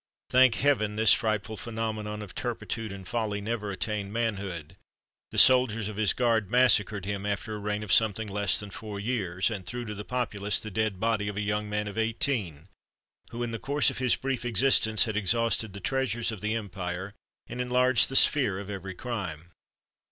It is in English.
Thank Heaven! this frightful phenomenon of turpitude and folly never attained manhood. The soldiers of his guard massacred him after a reign of something less than four years, and threw to the populace the dead body of a young man of eighteen, who, in the course of his brief existence, had exhausted the treasures of the empire, and enlarged the sphere of every crime.